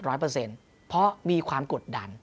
เปอร์เซ็นต์เพราะมีความกดดัน